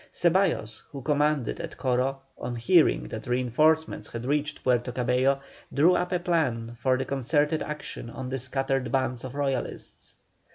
Ceballos, who commanded at Coro, on hearing that reinforcements had reached Puerto Cabello, drew up a plan for the concerted action of the scattered bands of Royalists.